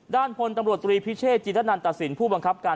พลตำรวจตรีพิเชษจิรนันตสินผู้บังคับการ